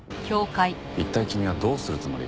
一体君はどうするつもり？